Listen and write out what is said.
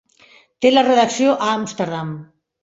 Té la redacció a Amsterdam.